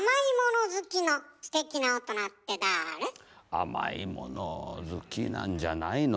甘いもの好きなんじゃないの？